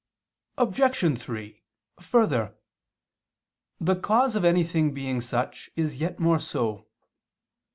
Obj. 3: Further, "the cause of anything being such is yet more so."